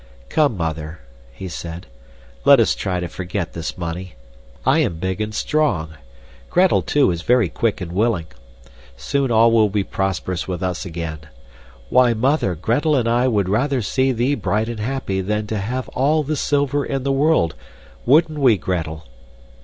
"Come, Mother," he said, "let us try to forget this money. I am big and strong. Gretel, too, is very quick and willing. Soon all will be prosperous with us again. Why, Mother, Gretel and I would rather see thee bright and happy than to have all the silver in the world, wouldn't we, Gretel?"